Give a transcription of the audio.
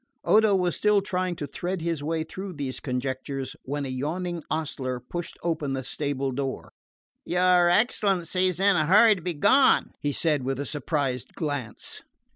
Odo was still trying to thread a way through these conjectures when a yawning ostler pushed open the stable door. "Your excellency is in a hurry to be gone," he said, with a surprised glance.